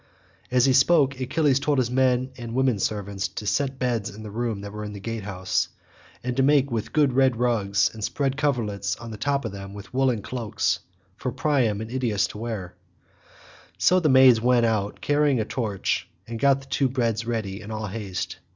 As he spoke Achilles told his men and the women servants to set beds in the room that was in the gatehouse, and make them with good red rugs, and spread coverlets on the top of them with woollen cloaks for Priam and Idaeus to wear. So the maids went out carrying a torch and got the two beds ready in all haste.